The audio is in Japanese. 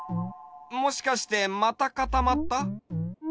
もしかしてまたかたまった？